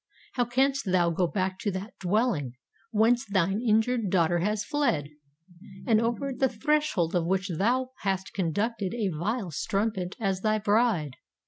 —how canst thou go back to that dwelling whence thine injured daughter has fled, and over the threshold of which thou hast conducted a vile strumpet as thy bride?